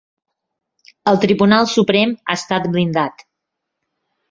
El Tribunal Suprem ha estat blindat.